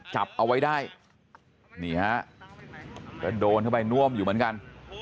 จับเอาไว้ได้นี่ฮะก็โดนเข้าไปน่วมอยู่เหมือนกัน